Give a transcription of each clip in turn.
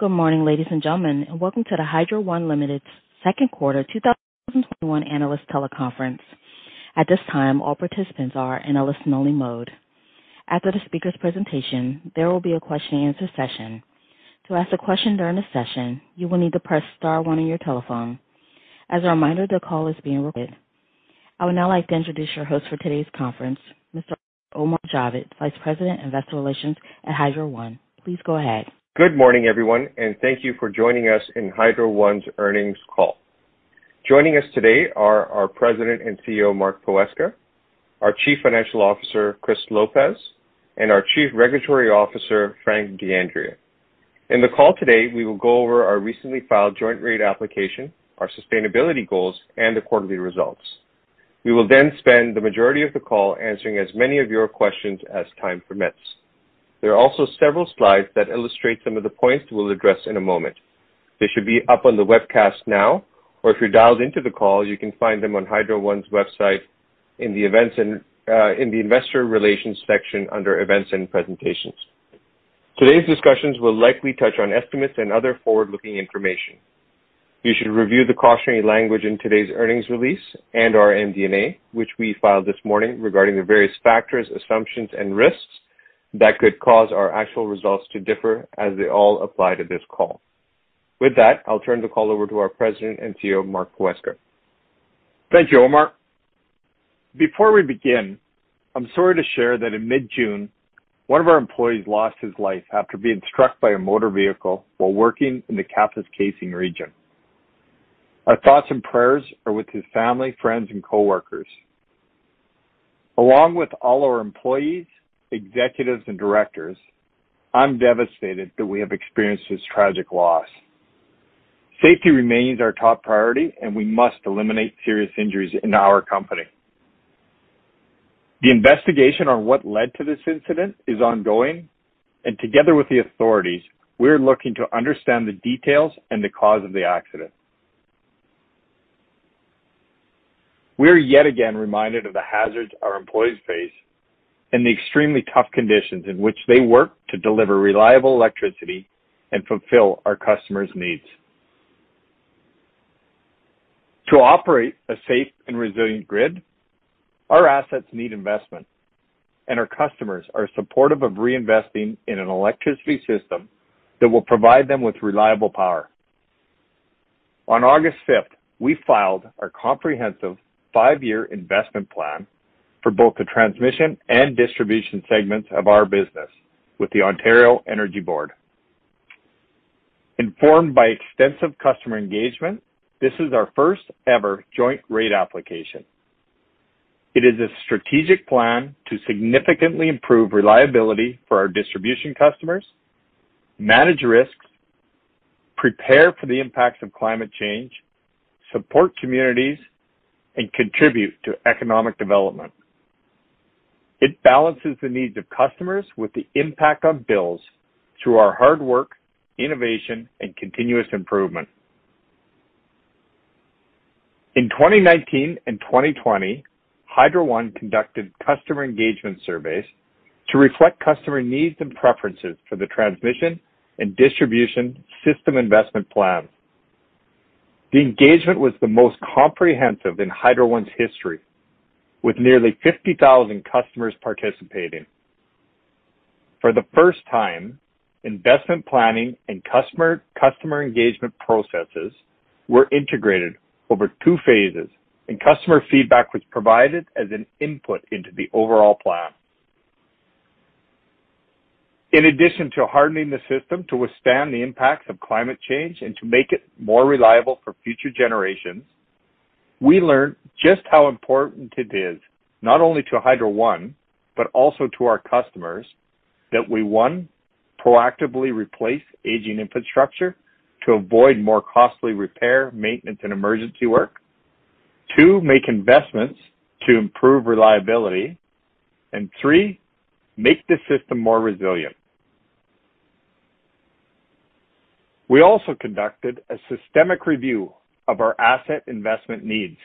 Good morning, ladies and gentlemen, and welcome to the Hydro One Limited second quarter 2021 analyst teleconference. At this time, all participants are in a listen only mode. After the speaker's presentation, there will be a question and answer session. To ask a question during the session, you will need to press star one on your telephone. As a reminder, the call is being recorded. I would now like to introduce your host for today's conference, Mr. Omar Javed, Vice President of Investor Relations at Hydro One. Please go ahead. Good morning, everyone. Thank you for joining us in Hydro One's earnings call. Joining us today are our President and CEO, Mark Poweska, our Chief Financial Officer, Chris Lopez, and our Chief Regulatory Officer, Frank D'Andrea. In the call today, we will go over our recently filed Joint Rate Application, our sustainability goals, and the quarterly results. We will spend the majority of the call answering as many of your questions as time permits. There are also several slides that illustrate some of the points we'll address in a moment. They should be up on the webcast now, or if you're dialed into the call, you can find them on Hydro One's website in the Investor Relations section under Events and Presentations. Today's discussions will likely touch on estimates and other forward-looking information. You should review the cautionary language in today's earnings release and our MD&A, which we filed this morning, regarding the various factors, assumptions, and risks that could cause our actual results to differ as they all apply to this call. With that, I'll turn the call over to our President and CEO, Mark Poweska. Thank you, Omar. Before we begin, I'm sorry to share that in mid-June, one of our employees lost his life after being struck by a motor vehicle while working in the Kapuskasing region. Our thoughts and prayers are with his family, friends, and coworkers. Along with all our employees, executives, and directors, I'm devastated that we have experienced this tragic loss. Safety remains our top priority, and we must eliminate serious injuries in our company. The investigation on what led to this incident is ongoing, and together with the authorities, we're looking to understand the details and the cause of the accident. We are yet again reminded of the hazards our employees face and the extremely tough conditions in which they work to deliver reliable electricity and fulfill our customers' needs. To operate a safe and resilient grid, our assets need investment, and our customers are supportive of reinvesting in an electricity system that will provide them with reliable power. On August 5th, we filed our comprehensive five-year investment plan for both the transmission and distribution segments of our business with the Ontario Energy Board. Informed by extensive customer engagement, this is our first-ever Joint Rate Application. It is a strategic plan to significantly improve reliability for our distribution customers, manage risks, prepare for the impacts of climate change, support communities, and contribute to economic development. It balances the needs of customers with the impact on bills through our hard work, innovation, and continuous improvement. In 2019 and 2020, Hydro One conducted customer engagement surveys to reflect customer needs and preferences for the transmission and distribution system investment plans. The engagement was the most comprehensive in Hydro One's history, with nearly 50,000 customers participating. For the first time, investment planning and customer engagement processes were integrated over two phases, and customer feedback was provided as an input into the overall plan. In addition to hardening the system to withstand the impacts of climate change and to make it more reliable for future generations, we learned just how important it is, not only to Hydro One, but also to our customers that we, one, proactively replace aging infrastructure to avoid more costly repair, maintenance, and emergency work. Two, make investments to improve reliability. Three, make the system more resilient. We also conducted a systemic review of our asset investment needs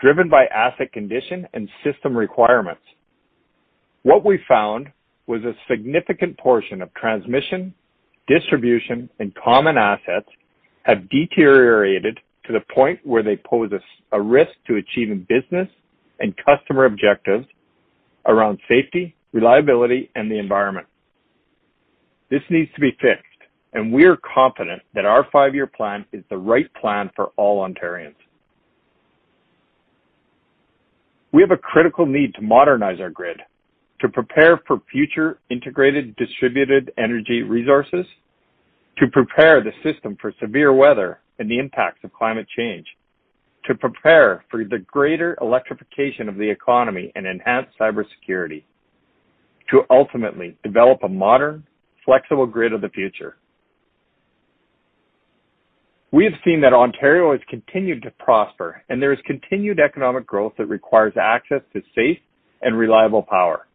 driven by asset condition and system requirements. What we found was a significant portion of transmission, distribution, and common assets have deteriorated to the point where they pose a risk to achieving business and customer objectives around safety, reliability, and the environment. This needs to be fixed. We are confident that our five-year plan is the right plan for all Ontarians. We have a critical need to modernize our grid to prepare for future integrated distributed energy resources, to prepare the system for severe weather and the impacts of climate change, to prepare for the greater electrification of the economy and enhance cybersecurity to ultimately develop a modern, flexible grid of the future. We have seen that Ontario has continued to prosper. There is continued economic growth that requires access to safe and reliable power.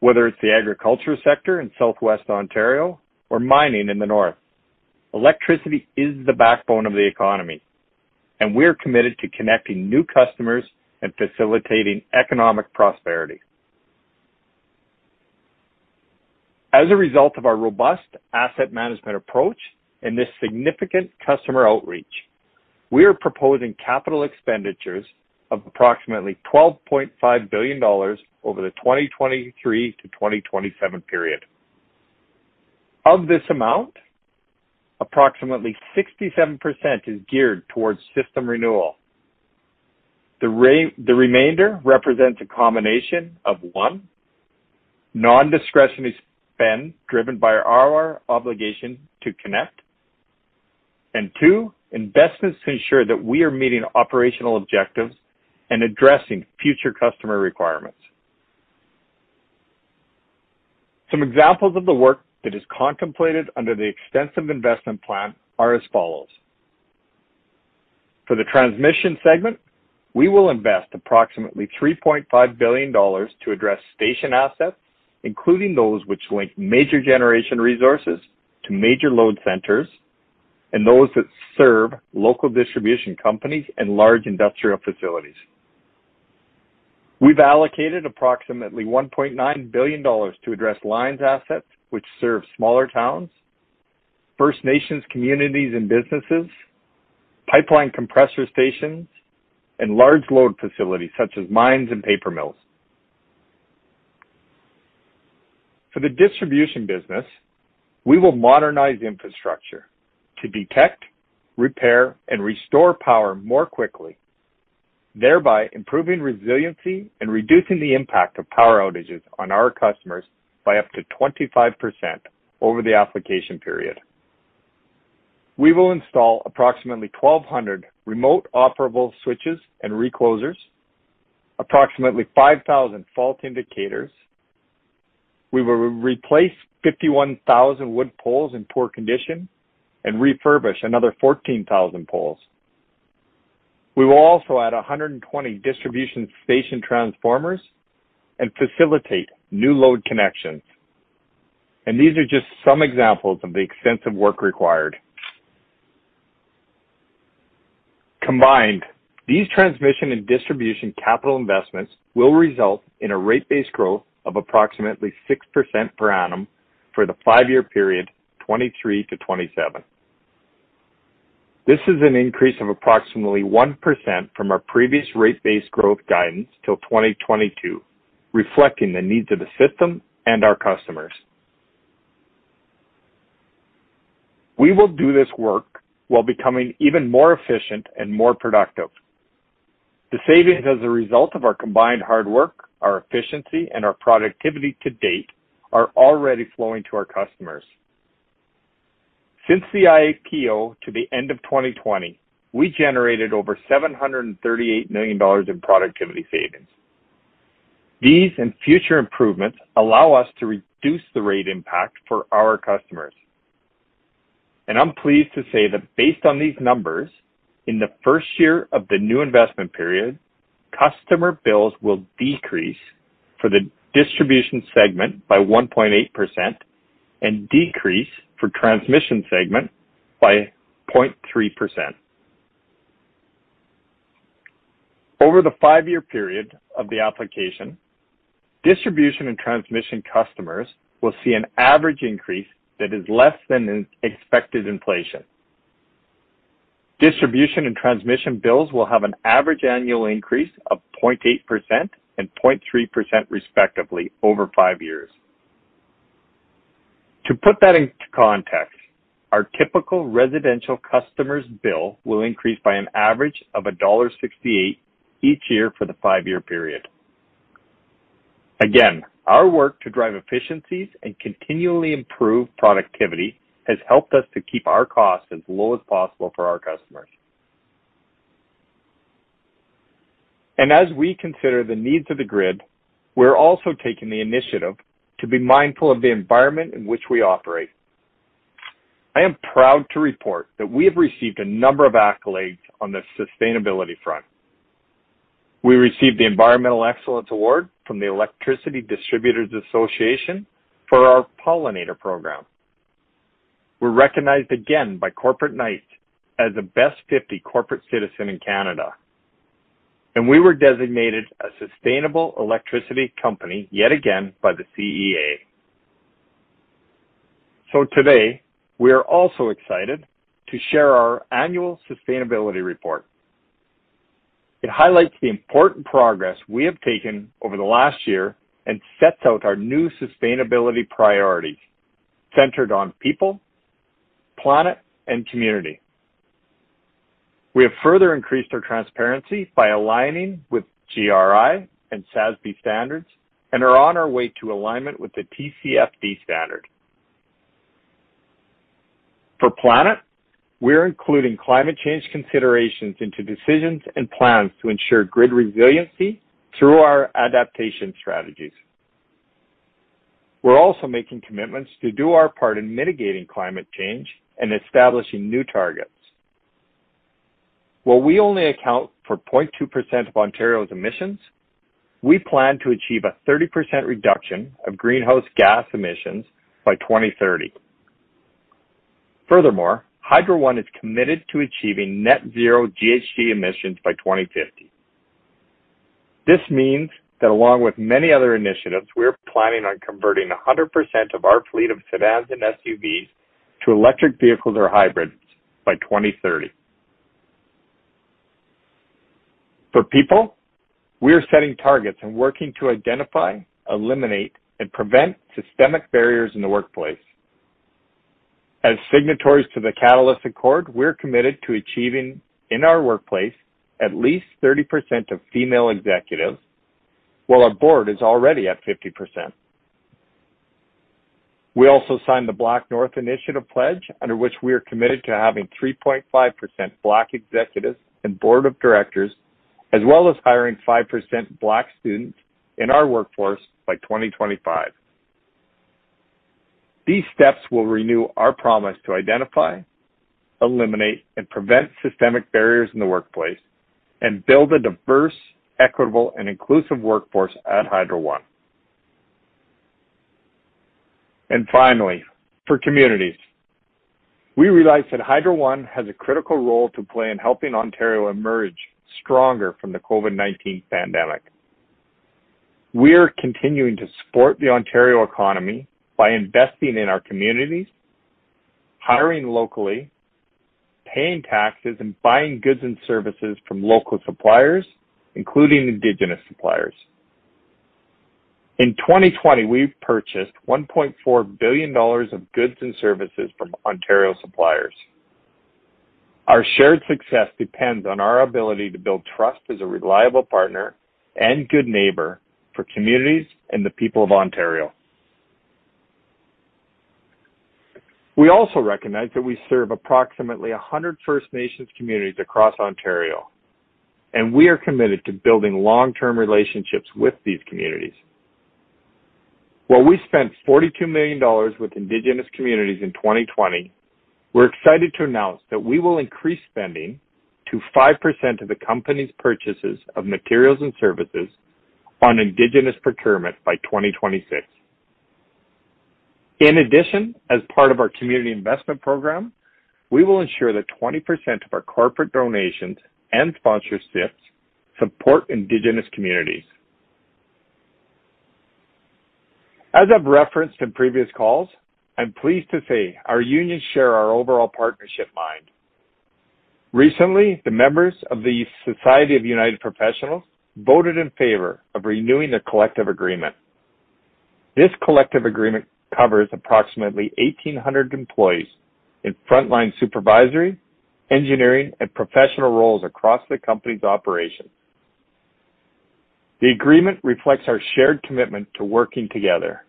Whether it's the agriculture sector in Southwest Ontario or mining in the North, electricity is the backbone of the economy. We're committed to connecting new customers and facilitating economic prosperity. As a result of our robust asset management approach and this significant customer outreach, we are proposing capital expenditures of approximately 12.5 billion dollars over the 2023-2027 period. Of this amount, approximately 67% is geared towards system renewal. The remainder represents a combination of, one, non-discretionary spend driven by our obligation to connect, and two, investments to ensure that we are meeting operational objectives and addressing future customer requirements. Some examples of the work that is contemplated under the extensive investment plan are as follows. For the transmission segment, we will invest approximately 3.5 billion dollars to address station assets, including those which link major generation resources to major load centers and those that serve local distribution companies and large industrial facilities. We've allocated approximately 1.9 billion dollars to address lines assets which serve smaller towns, First Nations communities and businesses, pipeline compressor stations, and large load facilities such as mines and paper mills. For the distribution business, we will modernize infrastructure to detect, repair, and restore power more quickly, thereby improving resiliency and reducing the impact of power outages on our customers by up to 25% over the application period. We will install approximately 1,200 remote operable switches and reclosers, approximately 5,000 fault indicators. We will replace 51,000 wood poles in poor condition and refurbish another 14,000 poles. We will also add 120 distribution station transformers and facilitate new load connections. These are just some examples of the extensive work required. Combined, these transmission and distribution capital investments will result in a rate base growth of approximately 6% per annum for the five-year period, 2023-2027. This is an increase of approximately 1% from our previous rate base growth guidance till 2022, reflecting the needs of the system and our customers. We will do this work while becoming even more efficient and more productive. The savings as a result of our combined hard work, our efficiency, and our productivity to date are already flowing to our customers. Since the IPO to the end of 2020, we generated over 738 million dollars in productivity savings. These and future improvements allow us to reduce the rate impact for our customers. I'm pleased to say that based on these numbers, in the first year of the new investment period, customer bills will decrease for the distribution segment by 1.8% and decrease for transmission segment by 0.3%. Over the five-year period of the application, distribution and transmission customers will see an average increase that is less than expected inflation. Distribution and transmission bills will have an average annual increase of 0.8% and 0.3%, respectively, over five years. To put that into context, our typical residential customer's bill will increase by an average of dollar 1.68 each year for the five-year period. Again, our work to drive efficiencies and continually improve productivity has helped us to keep our costs as low as possible for our customers. As we consider the needs of the grid, we're also taking the initiative to be mindful of the environment in which we operate. I am proud to report that we have received a number of accolades on the sustainability front. We received the Environmental Excellence Award from the Electricity Distributors Association for our pollinator program. We're recognized again by Corporate Knights as the Best 50 Corporate Citizen in Canada. We were designated a Sustainable Electricity Company yet again by the CEA. Today, we are also excited to share our annual sustainability report. It highlights the important progress we have taken over the last year and sets out our new sustainability priorities centered on people, planet, and community. We have further increased our transparency by aligning with GRI and SASB standards and are on our way to alignment with the TCFD standard. For planet, we're including climate change considerations into decisions and plans to ensure grid resiliency through our adaptation strategies. We're also making commitments to do our part in mitigating climate change and establishing new targets. While we only account for 0.2% of Ontario's emissions, we plan to achieve a 30% reduction of greenhouse gas emissions by 2030. Furthermore, Hydro One is committed to achieving net zero GHG emissions by 2050. This means that along with many other initiatives, we're planning on converting 100% of our fleet of sedans and SUVs to electric vehicles or hybrids by 2030. For people, we are setting targets and working to identify, eliminate, and prevent systemic barriers in the workplace. As signatories to the Catalyst Accord, we're committed to achieving, in our workplace, at least 30% of female executives, while our board is already at 50%. We also signed the BlackNorth Initiative pledge, under which we are committed to having 3.5% Black executives and board of directors, as well as hiring 5% Black students in our workforce by 2025. These steps will renew our promise to identify, eliminate, and prevent systemic barriers in the workplace and build a diverse, equitable, and inclusive workforce at Hydro One. Finally, for communities, we realize that Hydro One has a critical role to play in helping Ontario emerge stronger from the COVID-19 pandemic. We're continuing to support the Ontario economy by investing in our communities, hiring locally, paying taxes, and buying goods and services from local suppliers, including Indigenous suppliers. In 2020, we've purchased 1.4 billion dollars of goods and services from Ontario suppliers. Our shared success depends on our ability to build trust as a reliable partner and good neighbor for communities and the people of Ontario. We also recognize that we serve approximately 100 First Nations communities across Ontario, and we are committed to building long-term relationships with these communities. While we spent 42 million dollars with Indigenous communities in 2020, we're excited to announce that we will increase spending to 5% of the company's purchases of materials and services on Indigenous procurement by 2026. In addition, as part of our community investment program, we will ensure that 20% of our corporate donations and sponsorship support Indigenous communities. As I've referenced in previous calls, I'm pleased to say our unions share our overall partnership mind. Recently, the members of the Society of United Professionals voted in favor of renewing the collective agreement. This collective agreement covers approximately 1,800 employees in frontline supervisory, engineering, and professional roles across the company's operations. The agreement reflects our shared commitment to working together.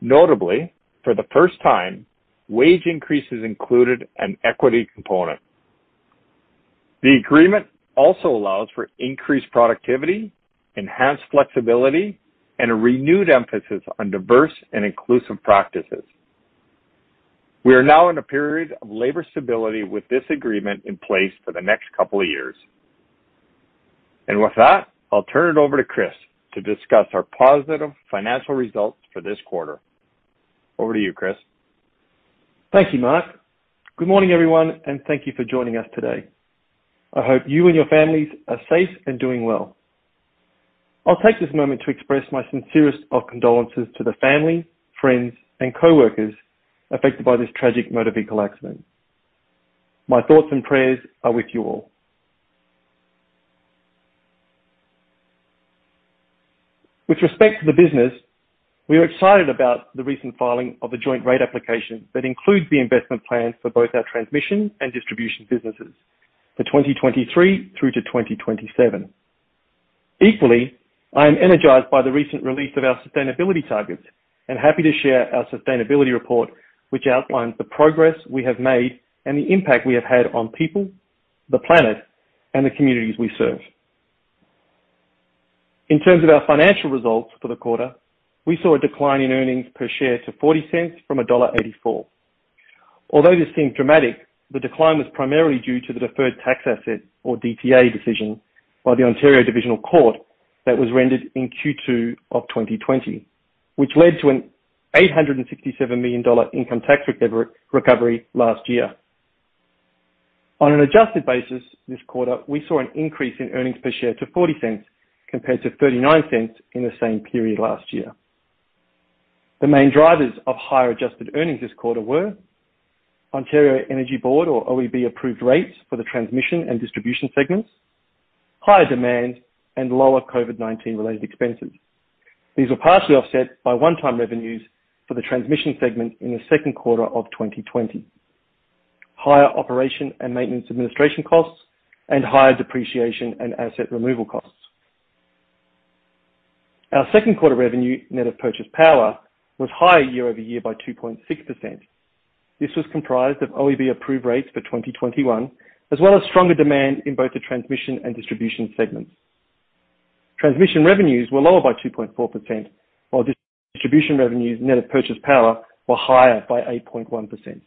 Notably, for the first time, wage increases included an equity component. The agreement also allows for increased productivity, enhanced flexibility, and a renewed emphasis on diverse and inclusive practices. We are now in a period of labor stability with this agreement in place for the next couple of years. With that, I'll turn it over to Chris to discuss our positive financial results for this quarter. Over to you, Chris. Thank you, Mark. Good morning, everyone, and thank you for joining us today. I hope you and your families are safe and doing well. I'll take this moment to express my sincerest of condolences to the family, friends, and coworkers affected by this tragic motor vehicle accident. My thoughts and prayers are with you all. With respect to the business, we are excited about the recent filing of a Joint Rate Application that includes the investment plan for both our transmission and distribution businesses for 2023 through to 2027. Equally, I am energized by the recent release of our sustainability targets and happy to share our sustainability report, which outlines the progress we have made and the impact we have had on people, the planet, and the communities we serve. In terms of our financial results for the quarter, we saw a decline in earnings per share to 0.40 from dollar 1.84. Although this seemed dramatic, the decline was primarily due to the deferred tax asset, or DTA decision, by the Ontario Divisional Court that was rendered in Q2 of 2020, which led to a 867 million dollar income tax recovery last year. On an adjusted basis this quarter, we saw an increase in earnings per share to 0.40 compared to 0.39 in the same period last year. The main drivers of higher adjusted earnings this quarter were Ontario Energy Board, or OEB-approved rates for the transmission and distribution segments, higher demand, lower COVID-19-related expenses. These were partially offset by one-time revenues for the transmission segment in the second quarter of 2020, higher operation and maintenance administration costs, and higher depreciation and asset removal costs. Our second quarter revenue net of purchase power was higher year-over-year by 2.6%. This was comprised of OEB-approved rates for 2021, as well as stronger demand in both the transmission and distribution segments. Transmission revenues were lower by 2.4%, while distribution revenues net of purchase power were higher by 8.1%.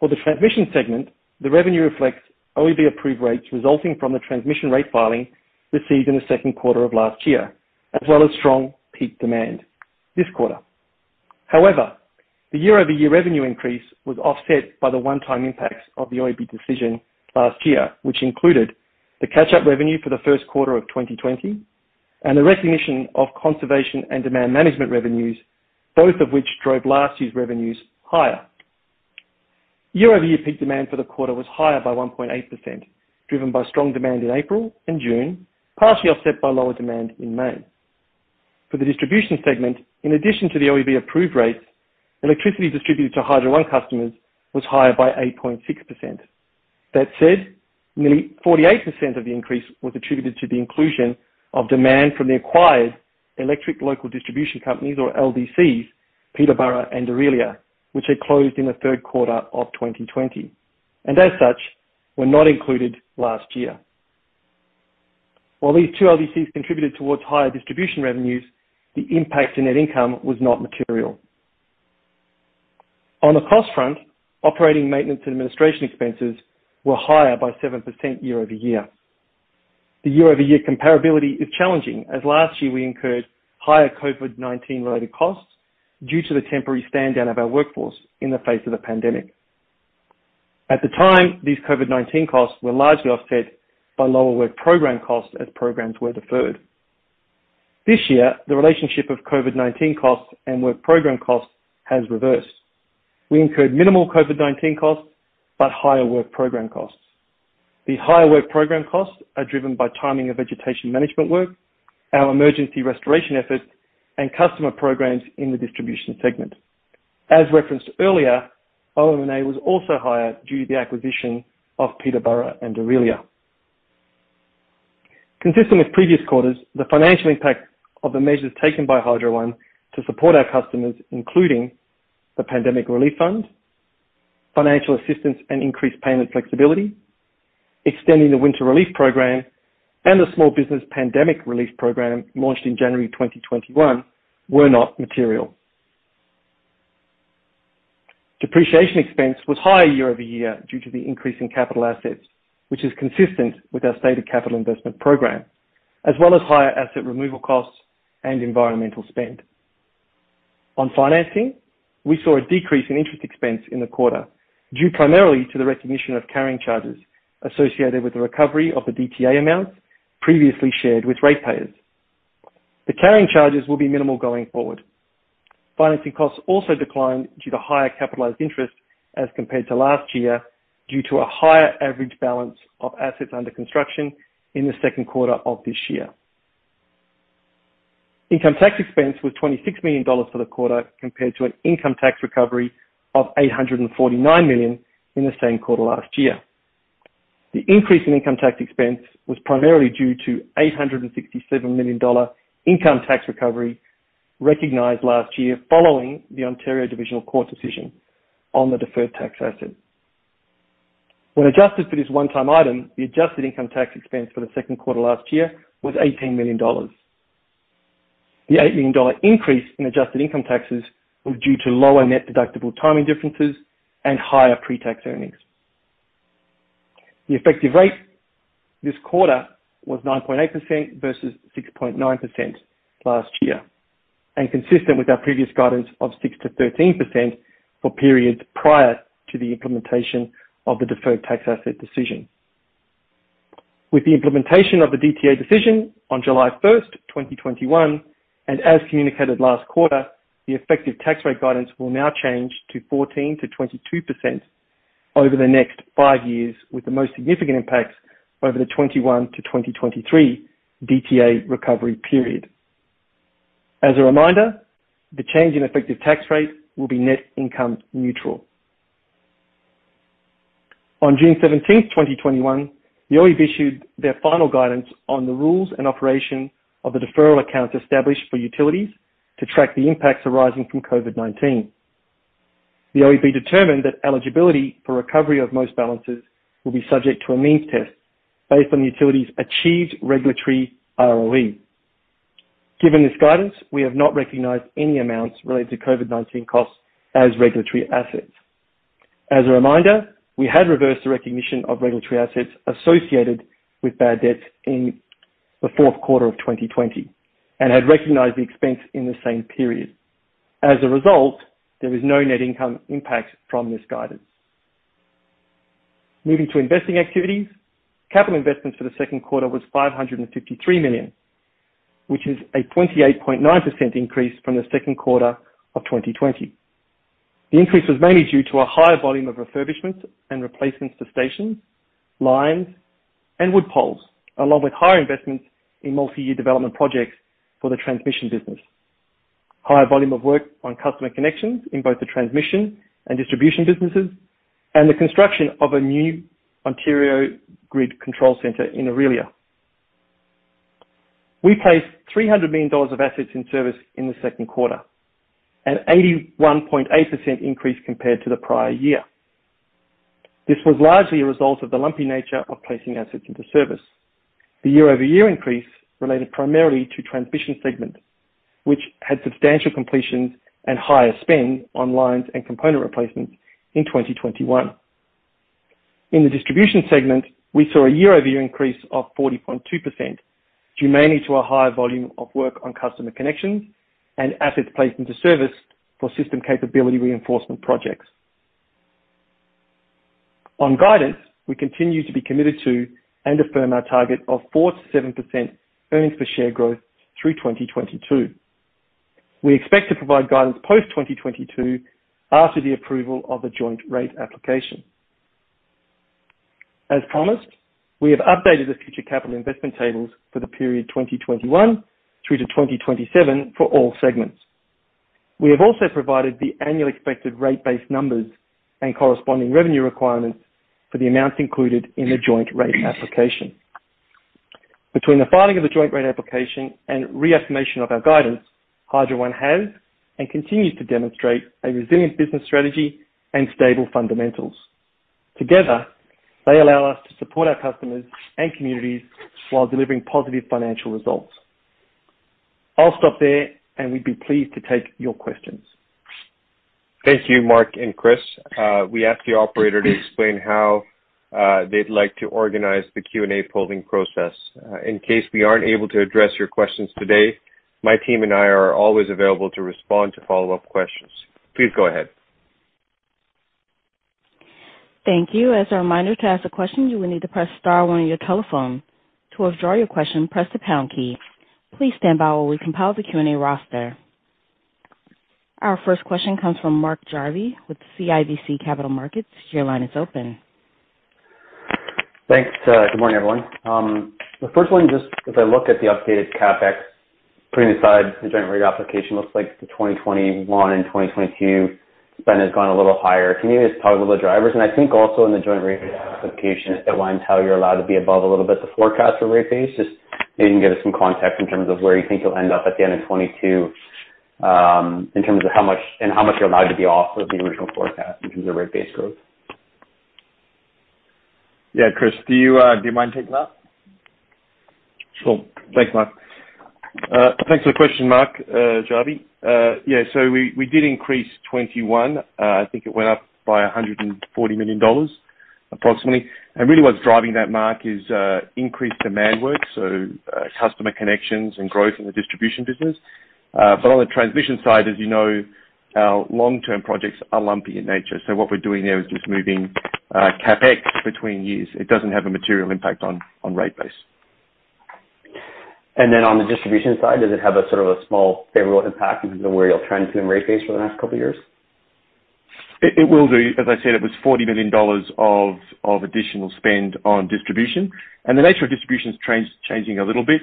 For the transmission segment, the revenue reflects OEB approved rates resulting from the transmission rate filing received in the second quarter of last year, as well as strong peak demand this quarter. However, the year-over-year revenue increase was offset by the one-time impacts of the OEB decision last year, which included the catch-up revenue for the first quarter of 2020 and the recognition of Conservation and Demand Management revenues, both of which drove last year's revenues higher. Year-over-year peak demand for the quarter was higher by 1.8%, driven by strong demand in April and June, partially offset by lower demand in May. For the distribution segment, in addition to the OEB approved rates, electricity distributed to Hydro One customers was higher by 8.6%. That said, nearly 48% of the increase was attributed to the inclusion of demand from the acquired electric local distribution companies, or LDCs, Peterborough and Orillia, which had closed in the third quarter of 2020, and as such, were not included last year. While these two LDCs contributed towards higher distribution revenues, the impact to net income was not material. On the cost front, operating maintenance and administration expenses were higher by 7% year-over-year. The year-over-year comparability is challenging as last year we incurred higher COVID-19-related costs due to the temporary stand-down of our workforce in the face of the pandemic. At the time, these COVID-19 costs were largely offset by lower work program costs as programs were deferred. This year, the relationship of COVID-19 costs and work program costs has reversed. We incurred minimal COVID-19 costs, but higher work program costs. The higher work program costs are driven by timing of vegetation management work, our emergency restoration efforts, and customer programs in the distribution segment. As referenced earlier, OM&A was also higher due to the acquisition of Peterborough and Orillia. Consistent with previous quarters, the financial impact of the measures taken by Hydro One to support our customers, including the Pandemic Relief Fund, financial assistance and increased payment flexibility, extending the Winter Relief Program, and the Small Business Pandemic Relief Program launched in January 2021, were not material. Depreciation expense was higher year-over-year due to the increase in capital assets, which is consistent with our stated capital investment program, as well as higher asset removal costs and environmental spend. On financing, we saw a decrease in interest expense in the quarter, due primarily to the recognition of carrying charges associated with the recovery of the DTA amounts previously shared with ratepayers. The carrying charges will be minimal going forward. Financing costs also declined due to higher capitalized interest as compared to last year, due to a higher average balance of assets under construction in the second quarter of this year. Income tax expense was 26 million dollars for the quarter, compared to an income tax recovery of 849 million in the same quarter last year. The increase in income tax expense was primarily due to 867 million dollar income tax recovery recognized last year following the Ontario Divisional Court decision on the deferred tax asset. When adjusted for this one-time item, the adjusted income tax expense for the second quarter last year was 18 million dollars. The 8 million dollar increase in adjusted income taxes was due to lower net deductible timing differences and higher pre-tax earnings. The effective rate this quarter was 9.8% versus 6.9% last year, and consistent with our previous guidance of 6%-13% for periods prior to the implementation of the deferred tax asset decision. With the implementation of the DTA decision on July 1st, 2021, and as communicated last quarter, the effective tax rate guidance will now change to 14%-22% over the next five years, with the most significant impacts over the 2021-2023 DTA recovery period. As a reminder, the change in effective tax rate will be net income neutral. On June 17th, 2021, the OEB issued their final guidance on the rules and operation of the deferral accounts established for utilities to track the impacts arising from COVID-19. The OEB determined that eligibility for recovery of most balances will be subject to a means test based on the utility's achieved regulatory ROE. Given this guidance, we have not recognized any amounts related to COVID-19 costs as regulatory assets. As a reminder, we had reversed the recognition of regulatory assets associated with bad debts in the fourth quarter of 2020 and had recognized the expense in the same period. As a result, there is no net income impact from this guidance. Moving to investing activities. Capital investments for the second quarter was 553 million, which is a 28.9% increase from the second quarter of 2020. The increase was mainly due to a higher volume of refurbishments and replacements to stations, lines, and wood poles, along with higher investments in multi-year development projects for the transmission business. Higher volume of work on customer connections in both the transmission and distribution businesses, and the construction of a new Ontario grid control center in Orillia. We placed 300 million dollars of assets in service in the second quarter, an 81.8% increase compared to the prior year. This was largely a result of the lumpy nature of placing assets into service. The year-over-year increase related primarily to transmission segment, which had substantial completions and higher spend on lines and component replacements in 2021. In the distribution segment, we saw a year-over-year increase of 40.2%, mainly to a higher volume of work on customer connections and assets placed into service for system capability reinforcement projects. On guidance, we continue to be committed to and affirm our target of 4%-7% EPS growth through 2022. We expect to provide guidance post-2022 after the approval of the Joint Rate Application. As promised, we have updated the future capital investment tables for the period 2021 through to 2027 for all segments. We have also provided the annual expected rate base numbers and corresponding revenue requirements for the amounts included in the Joint Rate Application. Between the filing of the Joint Rate Application and reaffirmation of our guidance, Hydro One has and continues to demonstrate a resilient business strategy and stable fundamentals. Together, they allow us to support our customers and communities while delivering positive financial results. I'll stop there, and we'd be pleased to take your questions. Thank you, Mark and Chris. We ask the operator to explain how they'd like to organize the Q&A polling process. In case we aren't able to address your questions today, my team and I are always available to respond to follow-up questions. Please go ahead. Thank you. As a reminder, to ask a question, you will need to press star one on your telephone. To withdraw your question, press the pound key. Please stand by while we compile the Q&A roster. Our first question comes from Mark Jarvi with CIBC Capital Markets. Your line is open. Thanks. Good morning, everyone. The first one, just as I look at the updated CapEx, putting aside the Joint Rate Application, looks like the 2021 and 2022 spend has gone a little higher. Can you just talk about the drivers? I think also in the Joint Rate Application, it outlines how you're allowed to be above a little bit the forecast for rate base. Just maybe you can give us some context in terms of where you think you'll end up at the end of 2022, in terms of how much you're allowed to be off of the original forecast in terms of rate base growth. Yeah. Chris, do you mind taking that? Thanks, Mark. Thanks for the question, Mark Jarvi. We did increase 2021. I think it went up by 140 million dollars, approximately. Really what's driving that, Mark, is increased demand work, customer connections and growth in the distribution business. On the transmission side, as you know, our long-term projects are lumpy in nature. What we're doing there is just moving CapEx between years. It doesn't have a material impact on rate base. On the distribution side, does it have a sort of a small favorable impact in terms of where you'll trend to in rate base for the next two years? It will do. As I said, it was 40 million dollars of additional spend on distribution. The nature of distribution is changing a little bit.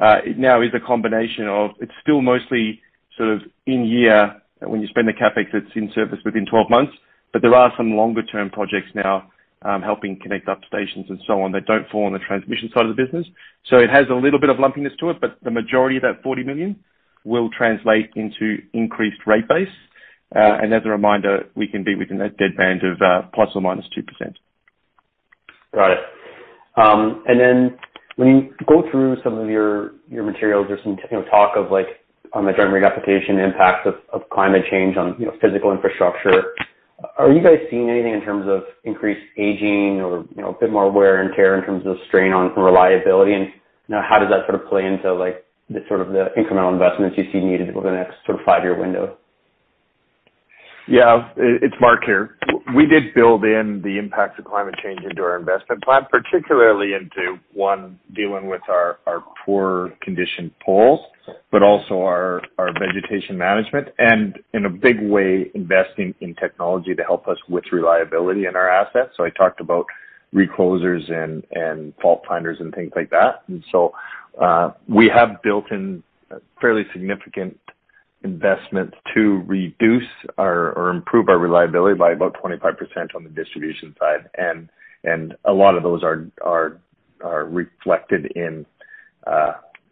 It now is a combination of, it's still mostly sort of in year when you spend the CapEx that's in service within 12 months, but there are some longer-term projects now, helping connect up stations and so on, that don't fall on the transmission side of the business. It has a little bit of lumpiness to it, but the majority of that 40 million will translate into increased rate base. As a reminder, we can be within a deadband of ±2%. Got it. Then when you go through some of your materials, there's some talk of like on the Joint Rate Application impacts of climate change on physical infrastructure. Are you guys seeing anything in terms of increased aging or a bit more wear and tear in terms of strain on reliability and how does that sort of play into the incremental investments you see needed over the next sort of five-year window? It's Mark here. We did build in the impacts of climate change into our investment plan, particularly into, one, dealing with our poor condition poles, but also our vegetation management and in a big way, investing in technology to help us with reliability in our assets. I talked about reclosers and fault finders and things like that. We have built in fairly significant investments to reduce or improve our reliability by about 25% on the distribution side. A lot of those are reflected in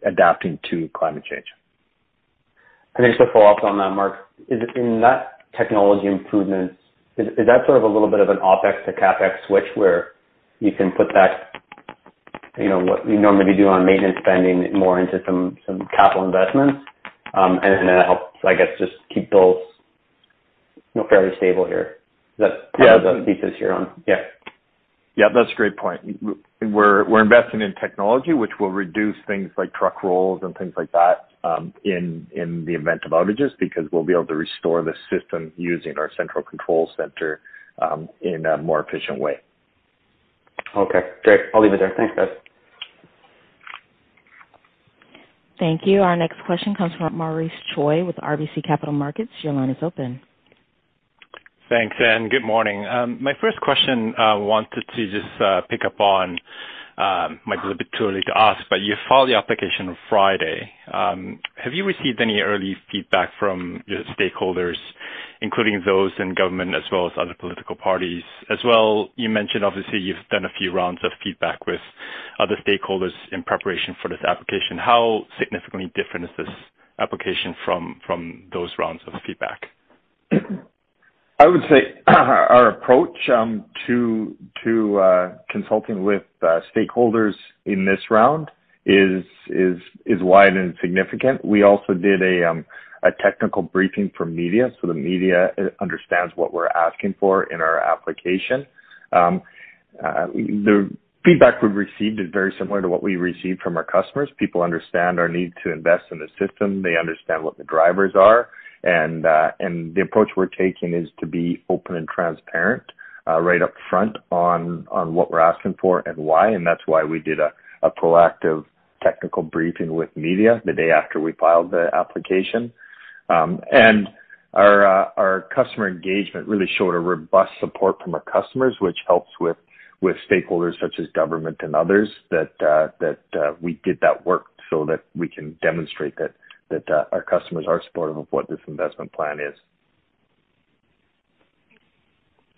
adapting to climate change. I guess a follow-up on that, Mark. In that technology improvements, is that sort of a little bit of an OpEx to CapEx switch where you can put back what you normally do on maintenance spending more into some capital investments? It helps, I guess, just keep those fairly stable here. Yeah. The thesis you're on? Yeah. Yeah, that's a great point. We're investing in technology which will reduce things like truck rolls and things like that in the event of outages, because we'll be able to restore the system using our central control center in a more efficient way. Okay, great. I'll leave it there. Thanks, guys. Thank you. Our next question comes from Maurice Choy with RBC Capital Markets. Your line is open. Thanks. Good morning. My first question, wanted to just pick up on, might be a little bit too early to ask, but you filed the application on Friday. Have you received any early feedback from your stakeholders, including those in government as well as other political parties? As well, you mentioned obviously you've done a few rounds of feedback with other stakeholders in preparation for this application. How significantly different is this application from those rounds of feedback? I would say our approach to consulting with stakeholders in this round is wide and significant. We also did a technical briefing for media so the media understands what we are asking for in our application. The feedback we have received is very similar to what we received from our customers. People understand our need to invest in the system. They understand what the drivers are. The approach we are taking is to be open and transparent right up front on what we are asking for and why, that is why we did a proactive technical briefing with media the day after we filed the application. Our customer engagement really showed a robust support from our customers, which helps with stakeholders such as government and others, that we did that work so that we can demonstrate that our customers are supportive of what this investment plan is.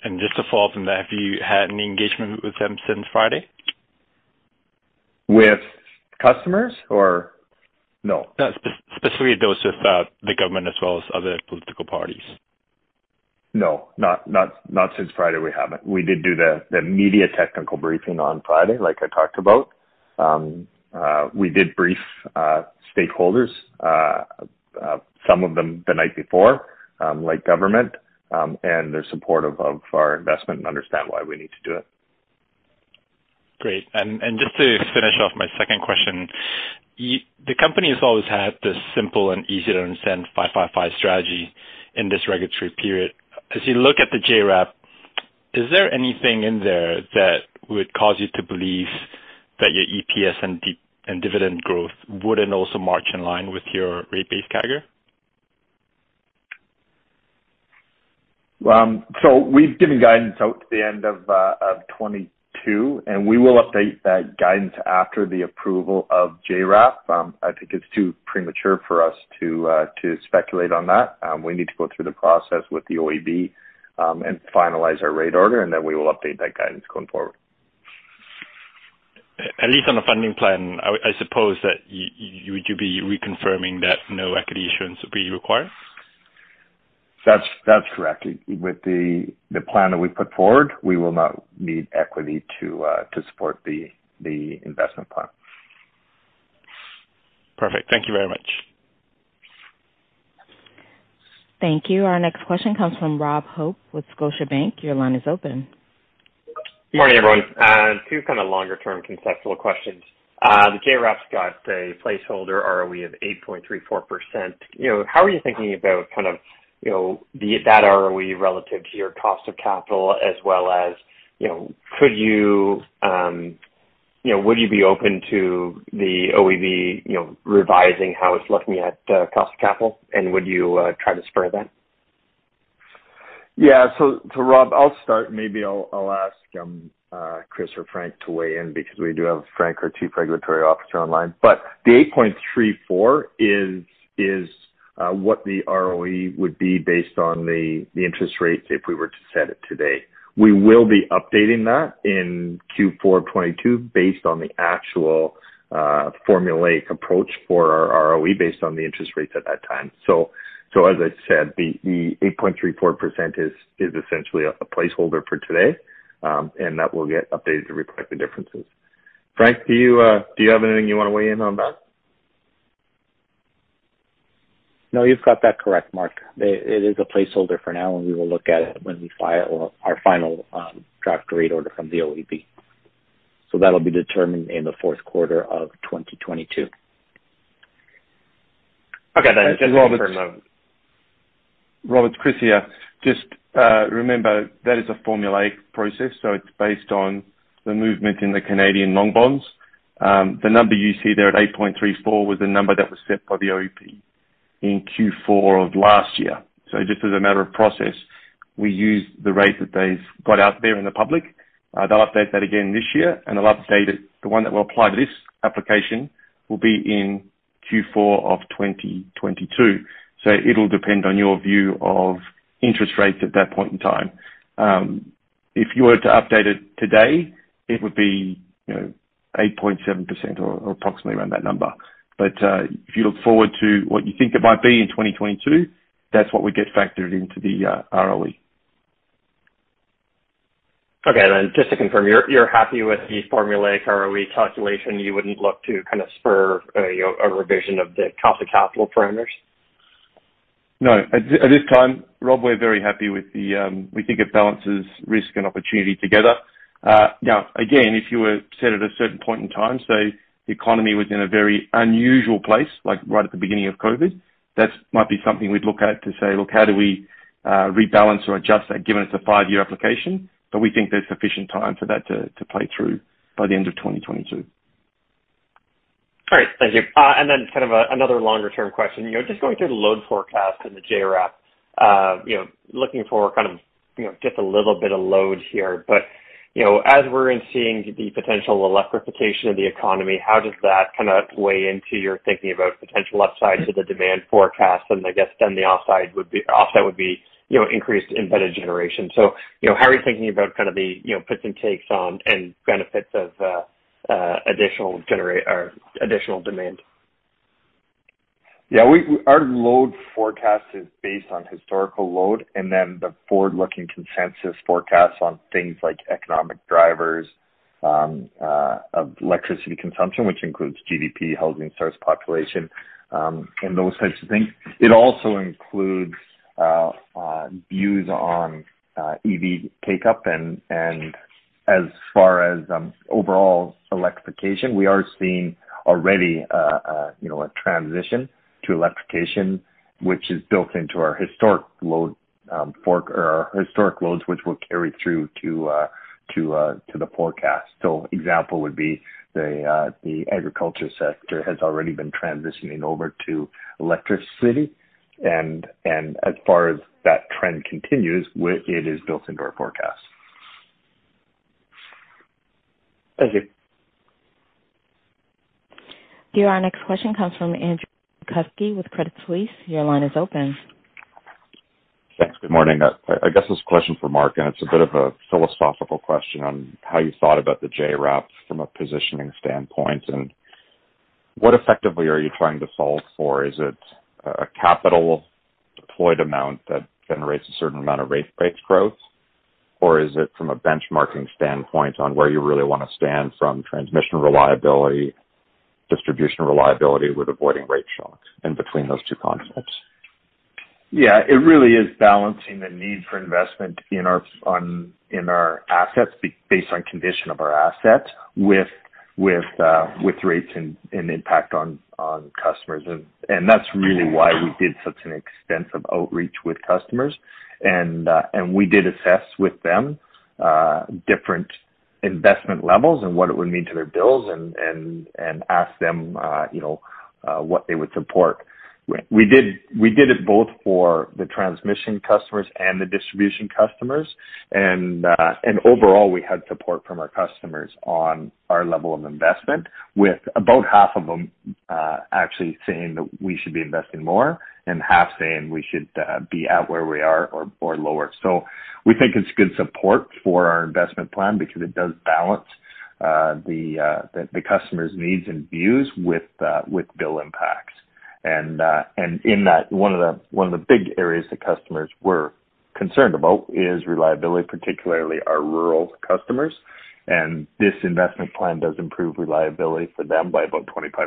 Just to follow from that, have you had any engagement with them since Friday? With customers or No? No, specifically those with the government as well as other political parties. No, not since Friday we haven't. We did do the media technical briefing on Friday, like I talked about. We did brief stakeholders, some of them the night before, like government, and they're supportive of our investment and understand why we need to do it. Great. Just to finish off my second question, the company has always had this simple and easy-to-understand 555 Strategy in this regulatory period. As you look at the JRAP, is there anything in there that would cause you to believe that your EPS and dividend growth wouldn't also march in line with your rate base CAGR? We've given guidance out to the end of 2022, and we will update that guidance after the approval of JRAP. I think it's too premature for us to speculate on that. We need to go through the process with the OEB, and finalize our rate order, and then we will update that guidance going forward. At least on the funding plan, I suppose that would you be reconfirming that no equity issuance will be required? That's correct. With the plan that we put forward, we will not need equity to support the investment plan. Perfect. Thank you very much. Thank you. Our next question comes from Rob Hope with Scotiabank. Your line is open. Good morning, everyone. Two kind of longer-term conceptual questions. The JRAP's got a placeholder ROE of 8.34%. How are you thinking about that ROE relative to your cost of capital as well as would you be open to the OEB revising how it's looking at cost of capital, and would you try to spur that? Rob, I'll start. Maybe I'll ask Chris or Frank to weigh in because we do have Frank, our Chief Regulatory Officer online. The 8.34% is what the ROE would be based on the interest rates if we were to set it today. We will be updating that in Q4 2022 based on the actual formulaic approach for our ROE based on the interest rates at that time. As I said, the 8.34% is essentially a placeholder for today, and that will get updated to reflect the differences. Frank, do you have anything you want to weigh in on that? No, you've got that correct, Mark. It is a placeholder for now, and we will look at it when we file our final draft rate order from the OEB. That'll be determined in the fourth quarter of 2022. Okay, just to confirm. Rob, Chris here. Just remember, that is a formulaic process, so it's based on the movement in the Canadian long bonds. The number you see there at 8.34% was the number that was set by the OEB in Q4 of last year. Just as a matter of process, we use the rate that they've got out there in the public. They'll update that again this year, and they'll update it, the one that will apply to this application will be in Q4 of 2022. It'll depend on your view of interest rates at that point in time. If you were to update it today, it would be 8.7% or approximately around that number. If you look forward to what you think it might be in 2022, that's what would get factored into the ROE. Okay, just to confirm, you're happy with the formulaic ROE calculation. You wouldn't look to spur a revision of the cost of capital parameters? No. At this time, Rob, we're very happy. We think it balances risk and opportunity together. Now, again, if you were set at a certain point in time, say, the economy was in a very unusual place, like right at the beginning of COVID, that might be something we'd look at to say, look, how do we rebalance or adjust that, given it's a five-year application? We think there's sufficient time for that to play through by the end of 2022. Great. Thank you. Then kind of another longer-term question? Just going through the load forecast in the JRAP, looking for just a little bit of load here. As we're in seeing the potential electrification of the economy, how does that weigh into your thinking about potential upsides of the demand forecast? I guess then the offset would be increased embedded generation. How are you thinking about the puts and takes on, and benefits of additional demand? Our load forecast is based on historical load and then the forward-looking consensus forecast on things like economic drivers of electricity consumption, which includes GDP, housing starts, population, and those types of things. It also includes views on EV take-up and as far as overall electrification, we are seeing already a transition to electrification, which is built into our historic loads, which will carry through to the forecast. Example would be the agriculture sector has already been transitioning over to electricity, and as far as that trend continues, it is built into our forecast. Thank you. Your next question comes from Andrew Kuske with Credit Suisse. Your line is open. Thanks. Good morning. I guess this question is for Mark Poweska, and it's a bit of a philosophical question on how you thought about the JRAP from a positioning standpoint. What effectively are you trying to solve for? Is it a capital deployed amount that generates a certain amount of rate base growth? Is it from a benchmarking standpoint on where you really want to stand from transmission reliability, distribution reliability with avoiding rate shocks, and between those two concepts? Yeah. It really is balancing the need for investment in our assets based on condition of our assets with rates and impact on customers. That's really why we did such an extensive outreach with customers and we did assess with them, different investment levels and what it would mean to their bills and ask them what they would support. We did it both for the transmission customers and the distribution customers. Overall, we had support from our customers on our level of investment, with about half of them actually saying that we should be investing more and half saying we should be at where we are or lower. We think it's good support for our investment plan because it does balance the customer's needs and views with bill impacts. In that, one of the big areas that customers were concerned about is reliability, particularly our rural customers. This investment plan does improve reliability for them by about 25%.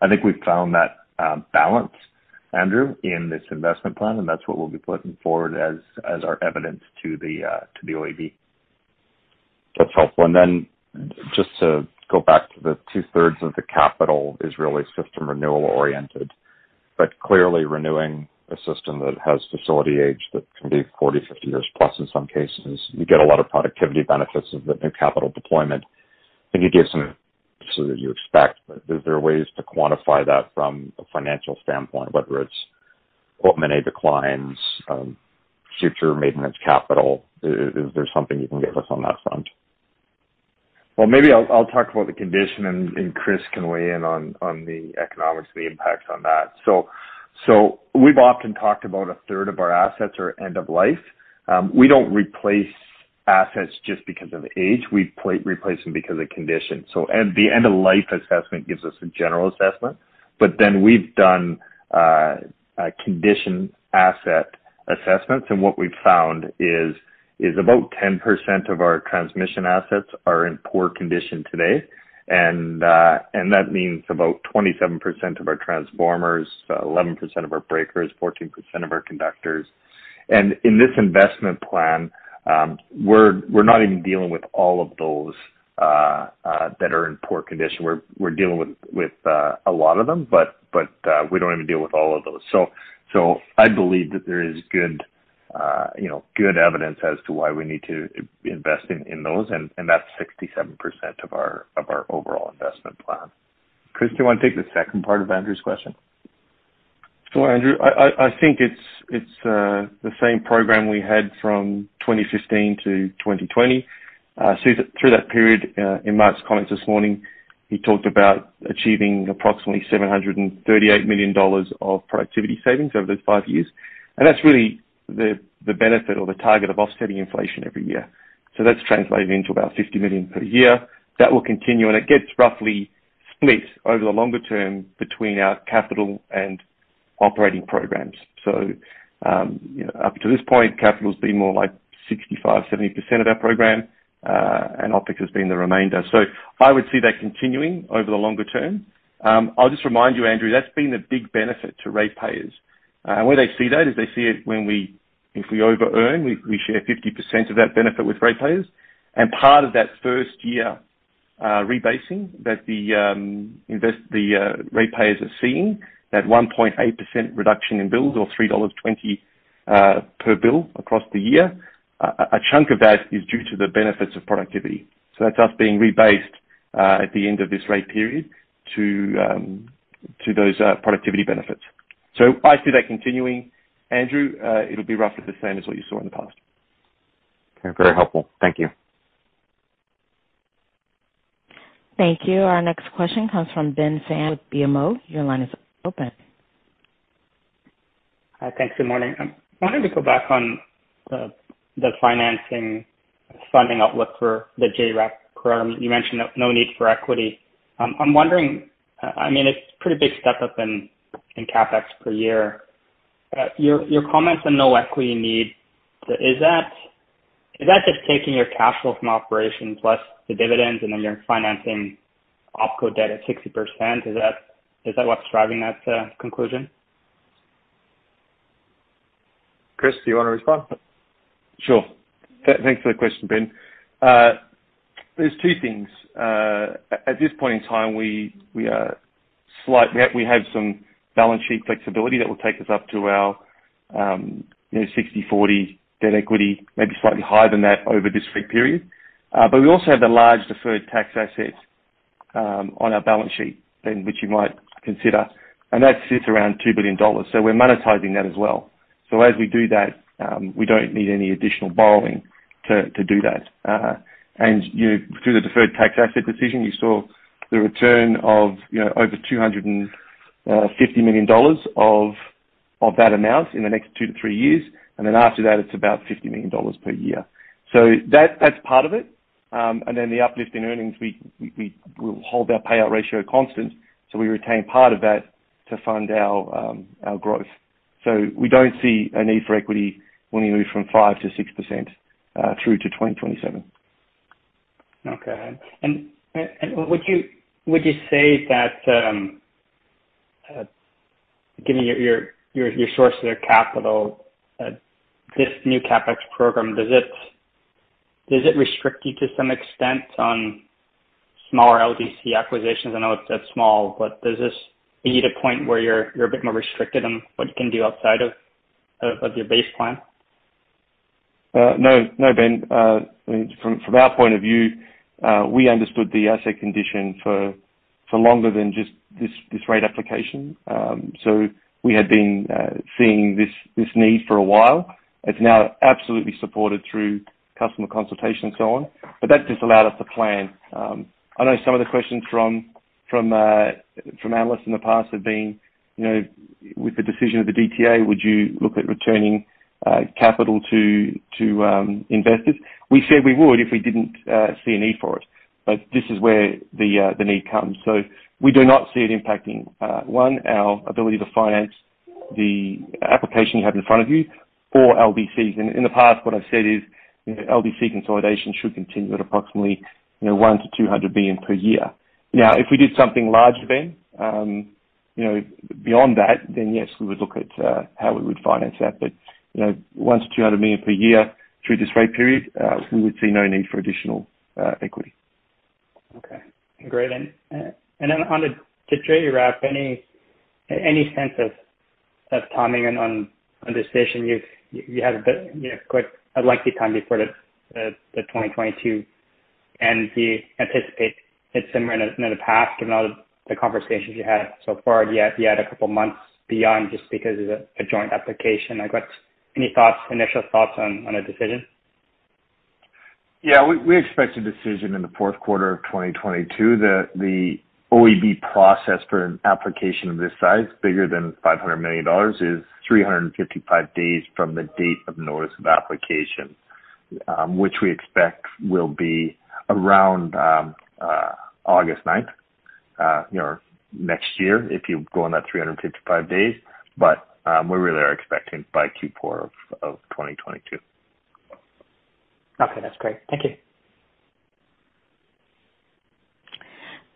I think we've found that balance, Andrew, in this investment plan, and that's what we'll be putting forward as our evidence to the OEB. Then just to go back to the two-thirds of the capital is really system renewal oriented. But clearly renewing a system that has facility age that can be 40, 50 years plus in some cases, you get a lot of productivity benefits of the new capital deployment. I think it gives some that you expect, but is there ways to quantify that from a financial standpoint, whether it's equipment declines, future maintenance capital? Is there something you can give us on that front? Maybe I'll talk about the condition and Chris can weigh in on the economics of the impact on that. We've often talked about a third of our assets are end of life. We don't replace assets just because of age. We replace them because of condition. At the end of life assessment gives us a general assessment. Then we've done condition asset assessments, and what we've found is about 10% of our transmission assets are in poor condition today. That means about 27% of our transformers, 11% of our breakers, 14% of our conductors. In this investment plan, we're not even dealing with all of those that are in poor condition. We're dealing with a lot of them, but we don't even deal with all of those. I believe that there is good evidence as to why we need to invest in those, and that's 67% of our overall investment plan. Chris, do you want to take the second part of Andrew's question? Sure, Andrew. I think it's the same program we had from 2015-2020. Through that period, in Mark's comments this morning, he talked about achieving approximately 738 million dollars of productivity savings over those five years. That's really the benefit or the target of offsetting inflation every year. That's translating into about 50 million per year. That will continue, and it gets roughly split over the longer term between our capital and operating programs. Up to this point, capital's been more like 65%, 70% of our program, and OM&A has been the remainder. I would see that continuing over the longer term. I'll just remind you, Andrew, that's been a big benefit to ratepayers. Where they see that is they see it when we, if we over-earn, we share 50% of that benefit with ratepayers. Part of that first year rebasing that the ratepayers are seeing, that 1.8% reduction in bills or 3.20 dollars per bill across the year, a chunk of that is due to the benefits of productivity. That's us being rebased, at the end of this rate period to those productivity benefits. I see that continuing, Andrew. It'll be roughly the same as what you saw in the past. Okay. Very helpful. Thank you. Thank you. Our next question comes from Ben Pham with BMO. Your line is open. Thanks. Good morning. I am wanting to go back on the financing funding outlook for the JRAP program. You mentioned no need for equity. I am wondering, it is a pretty big step up in CapEx per year. Your comments on no equity need, is that just taking your cash flow from operations plus the dividends and then you are financing OPCO debt at 60%? Is that what is driving that conclusion? Chris, do you want to respond? Sure. Thanks for the question, Ben. There's two things. At this point in time, we have some balance sheet flexibility that will take us up to our 60/40 debt equity, maybe slightly higher than that over this rate period. We also have the large deferred tax assets on our balance sheet, Ben, which you might consider, and that sits around 2 billion dollars. We're monetizing that as well. As we do that, we don't need any additional borrowing to do that. Through the deferred tax asset decision, we saw the return of over 250 million dollars of that amount in the next two-three years. After that, it's about 50 million dollars per year. That's part of it. The uplift in earnings, we will hold our payout ratio constant, so we retain part of that to fund our growth. We don't see a need for equity when we move from 5%-6% through to 2027. Okay. Would you say that, given your sources of capital, this new CapEx program, does it restrict you to some extent on smaller LDC acquisitions? I know it's small, but does this reach a point where you're a bit more restricted on what you can do outside of your base plan? No, Ben. From our point of view, we understood the asset condition for longer than just this rate application. We had been seeing this need for a while. It's now absolutely supported through customer consultation and so on, but that just allowed us to plan. I know some of the questions from analysts in the past have been, with the decision of the DTA, would you look at returning capital to investors? We said we would if we didn't see a need for it. This is where the need comes. We do not see it impacting, one, our ability to finance the application you have in front of you or LDCs. In the past, what I've said is LDC consolidation should continue at approximately 100-200 billion per year. If we did something larger, Ben, beyond that, then yes, we would look at how we would finance that 100-200 million per year through this rate period, we would see no need for additional equity. Okay, great. On the JRAP, any sense of timing on this decision? You had a lengthy time before the 2022, do you anticipate it's similar in the past or not the conversations you had so far? Do you have two months beyond just because of the joint application? Any initial thoughts on a decision? Yeah. We expect a decision in the fourth quarter of 2022. The OEB process for an application of this size, bigger than 500 million dollars, is 355 days from the date of notice of application, which we expect will be around August 9th next year if you go on that 355 days. We really are expecting by Q4 of 2022. Okay, that's great. Thank you.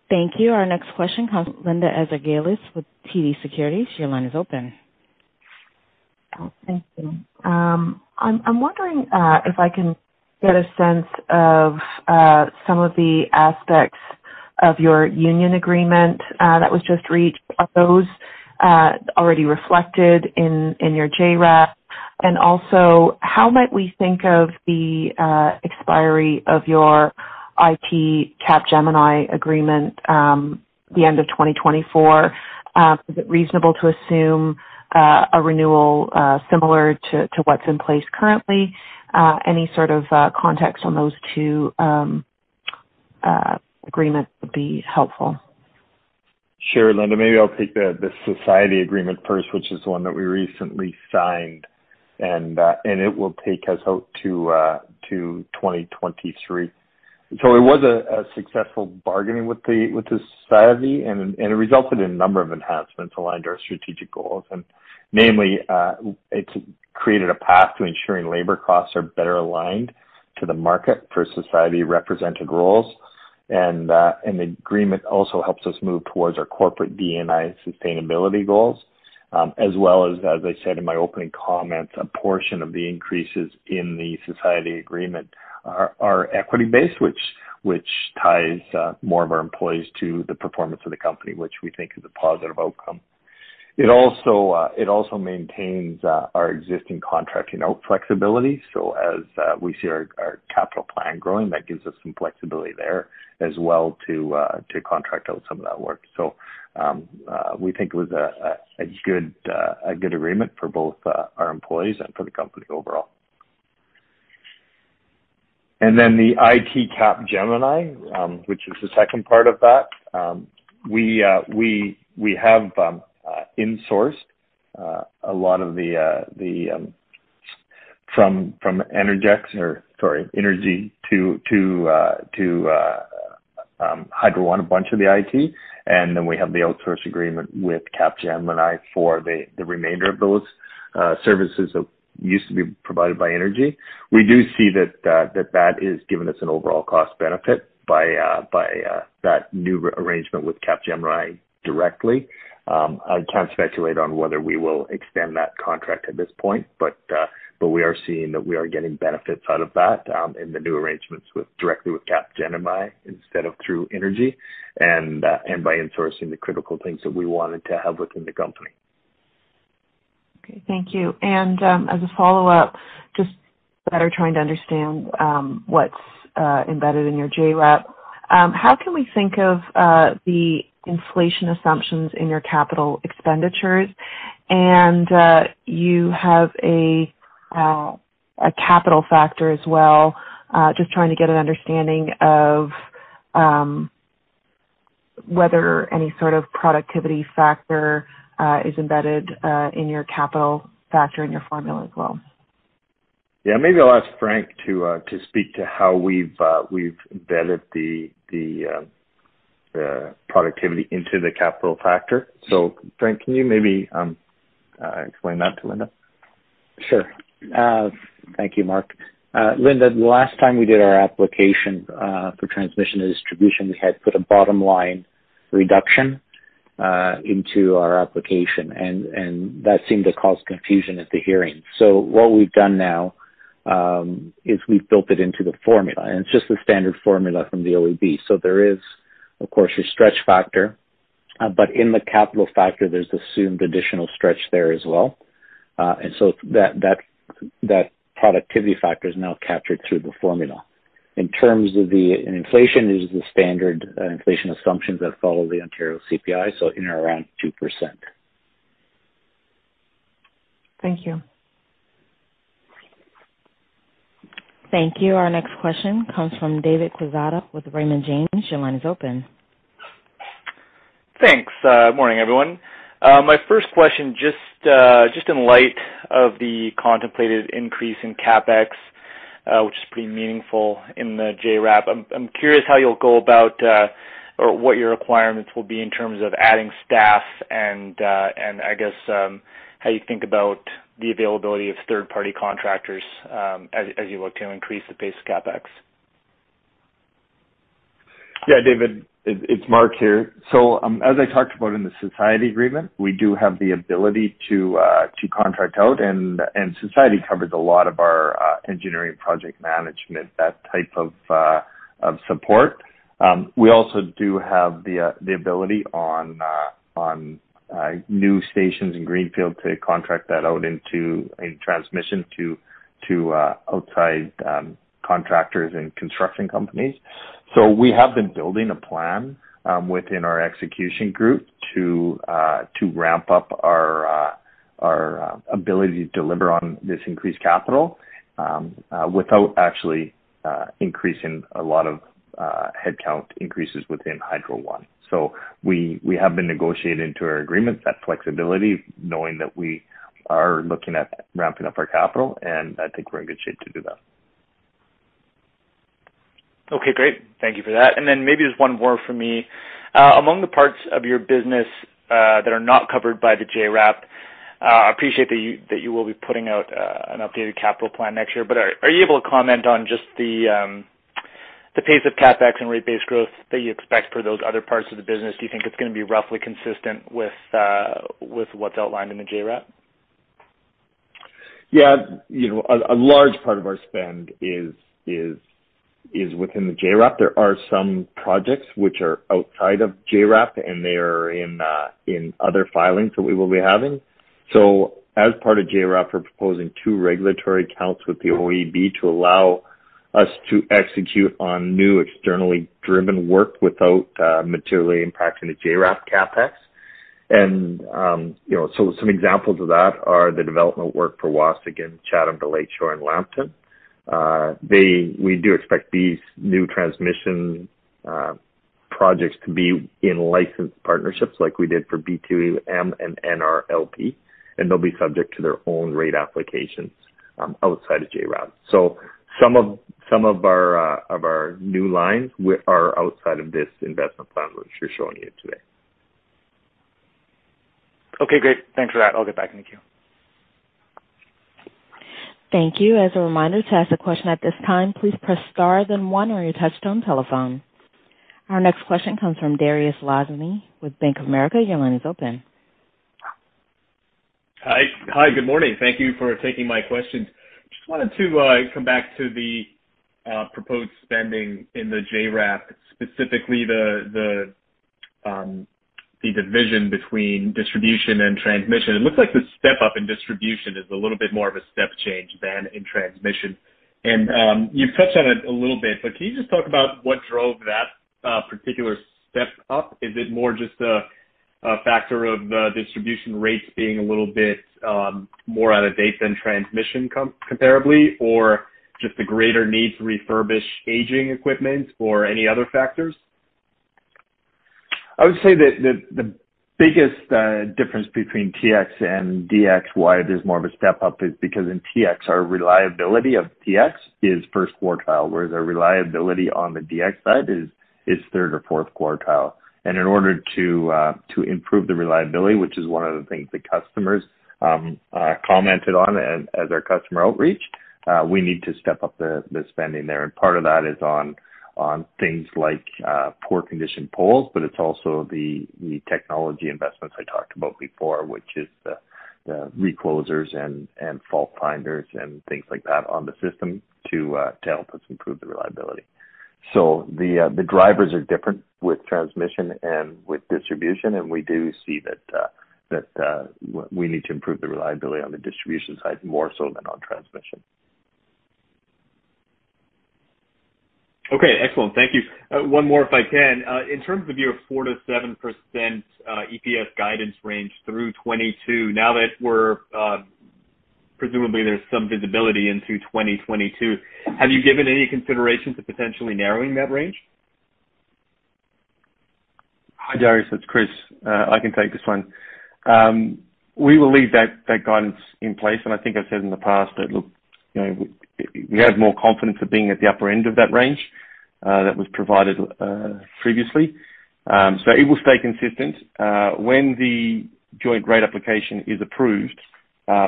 Thank you. Our next question comes Linda Ezergailis with TD Securities. Your line is open. Thank you. I'm wondering if I can get a sense of some of the aspects of your union agreement that was just reached. Are those already reflected in your JRAP? Also, how might we think of the expiry of your IT Capgemini agreement, the end of 2024? Is it reasonable to assume a renewal similar to what's in place currently? Any sort of context on those two agreements would be helpful. Sure, Linda. Maybe I'll take the Society agreement first, which is the one that we recently signed. It will take us out to 2023. It was a successful bargaining with the Society. It resulted in a number of enhancements aligned to our strategic goals. Namely, it's created a path to ensuring labor costs are better aligned to the market for Society-represented roles. The agreement also helps us move towards our corporate DE&I sustainability goals, as well as I said in my opening comments, a portion of the increases in the Society agreement are equity-based, which ties more of our employees to the performance of the company, which we think is a positive outcome. It also maintains our existing contracting out flexibility. As we see our capital plan growing, that gives us some flexibility there as well to contract out some of that work. We think it was a good agreement for both our employees and for the company overall. Then the IT Capgemini, which is the second part of that. We have insourced from Inergi to Hydro One, a bunch of the IT, and then we have the outsource agreement with Capgemini for the remainder of those services that used to be provided by Inergi. We do see that that is giving us an overall cost benefit by that new arrangement with Capgemini directly. I can't speculate on whether we will extend that contract at this point. We are seeing that we are getting benefits out of that in the new arrangements directly with Capgemini instead of through Inergi, and by insourcing the critical things that we wanted to have within the company. Okay. Thank you. As a follow-up, just better trying to understand what's embedded in your JRAP. How can we think of the inflation assumptions in your capital expenditures? You have a capital factor as well. Just trying to get an understanding of whether any sort of productivity factor is embedded in your capital factor, in your formula as well. Yeah. Maybe I'll ask Frank to speak to how we've embedded the productivity into the capital factor. Frank, can you maybe explain that to Linda? Sure. Thank you, Mark. Linda, the last time we did our application for transmission and distribution, we had put a bottom-line reduction into our application, and that seemed to cause confusion at the hearing. What we've done now, is we've built it into the formula, and it's just the standard formula from the OEB. There is, of course, your stretch factor. In the capital factor, there's assumed additional stretch there as well. That productivity factor is now captured through the formula. In terms of the inflation, it is the standard inflation assumptions that follow the Ontario CPI, so in or around 2%. Thank you. Thank you. Our next question comes from David Quezada with Raymond James. Your line is open. Thanks. Morning, everyone. My first question, just in light of the contemplated increase in CapEx, which is pretty meaningful in the JRAP. I'm curious how you'll go about or what your requirements will be in terms of adding staff and, I guess how you think about the availability of third-party contractors as you look to increase the pace of CapEx. David, it's Mark here. As I talked about in the Society agreement, we do have the ability to contract out. Society covers a lot of our engineering project management, that type of support. We also do have the ability on new stations in greenfield to contract that out into a transmission to outside contractors and construction companies. We have been building a plan within our execution group to ramp up our ability to deliver on this increased capital without actually increasing a lot of headcount increases within Hydro One. We have been negotiating into our agreements that flexibility, knowing that we are looking at ramping up our capital, and I think we're in good shape to do that. Okay, great. Thank you for that. Maybe just one more from me. Among the parts of your business that are not covered by the JRAP, I appreciate that you will be putting out an updated capital plan next year. Are you able to comment on just the pace of CapEx and rate base growth that you expect for those other parts of the business? Do you think it's going to be roughly consistent with what's outlined in the JRAP? Yeah. A large part of our spend is within the JRAP. There are some projects which are outside of JRAP, and they are in other filings that we will be having. As part of JRAP, we're proposing two regulatory accounts with the OEB to allow us to execute on new externally driven work without materially impacting the JRAP CapEx. Some examples of that are the development work for Waasigan, Chatham to Lakeshore and Lambton. We do expect these new transmission projects to be in licensed partnerships like we did for B2M and NRLP, and they'll be subject to their own rate applications outside of JRAP. Some of our new lines are outside of this investment plan, which we're showing you today. Okay, great. Thanks for that. I'll get back in the queue. Thank you. As a reminder, to ask a question at this time, please press star then one on your touchtone telephone. Our next question comes from Dariusz Lozny with Bank of America. Hi. Good morning. Thank you for taking my questions. Just wanted to come back to the proposed spending in the JRAP, specifically the division between distribution and transmission. It looks like the step-up in distribution is a little bit more of a step change than in transmission. You've touched on it a little bit, but can you just talk about what drove that particular step up? Is it more just a factor of the distribution rates being a little bit more out of date than transmission comparably, or just the greater need to refurbish aging equipment, or any other factors? I would say that the biggest difference between TX and DX, why there's more of a step-up, is because in TX, our reliability of TX is first quartile, whereas our reliability on the DX side is third or fourth quartile. In order to improve the reliability, which is one of the things the customers commented on as our customer outreach, we need to step up the spending there. Part of that is on things like poor condition poles, but it's also the technology investments I talked about before, which is the reclosers and fault finders and things like that on the system to help us improve the reliability. The drivers are different with transmission and with distribution, and we do see that we need to improve the reliability on the distribution side more so than on transmission. Okay. Excellent. Thank you. One more if I can. In terms of your 4%-7% EPS guidance range through 2022, now that presumably there's some visibility into 2022, have you given any consideration to potentially narrowing that range? Hi, Dariusz, it's Chris. I can take this one. We will leave that guidance in place. I think I've said in the past that, look, we have more confidence of being at the upper end of that range that was provided previously. It will stay consistent. When the Joint Rate Application is approved,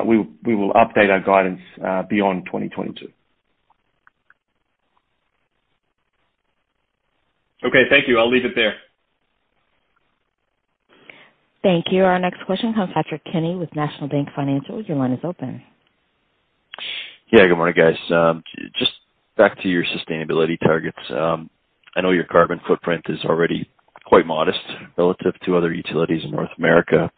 we will update our guidance beyond 2022. Okay. Thank you. I'll leave it there. Thank you. Our next question comes Patrick Kenny with National Bank Financial. Your line is open. Good morning, guys. Just back to your sustainability targets. I know your carbon footprint is already quite modest relative to other utilities in North America.